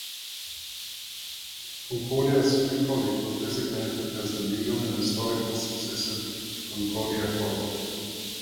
Concordia Senior College was designated as the legal and historical successor to Concordia College.